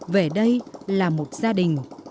về đây là một gia đình